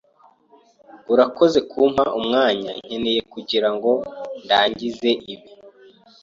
Urakoze kumpa umwanya nkeneye kugirango ndangize ibi.